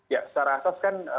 ya secara atas kan